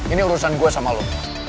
ini urusan gue sama lu